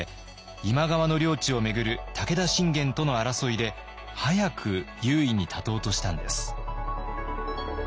今川の領地を巡る武田信玄との争いで早く優位に立とうとしたんです。